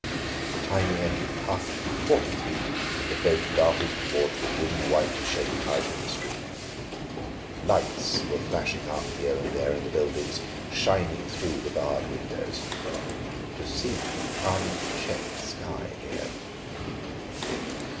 The tiny engine puffed, caught its beat, and the boat darted toward the dim white shape out in the stream. Lights were flashing up here and there in the buildings, shining through the barred windows. To see the uncheckered sky again!